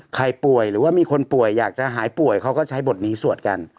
ใครป่วยหรือว่ามีคนป่วยอยากจะหายป่วยเขาก็ใช้บทนี้สวดกัน